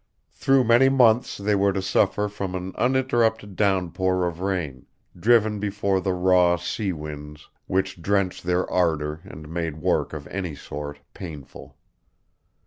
Through many months they were to suffer from an uninterrupted downpour of rain, driven before the raw sea winds, which drenched their ardor and made work of any sort painful.